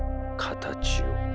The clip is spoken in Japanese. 形を。